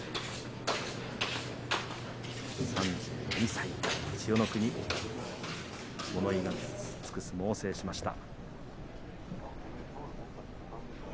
３２歳、千代の国物言いがつく相撲を制しました。